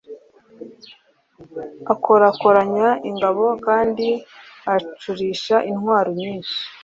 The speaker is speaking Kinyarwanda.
akorakoranya ingabo kandi acurisha intwaro nyinshi